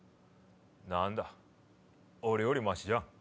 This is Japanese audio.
何だ俺よりマシじゃん。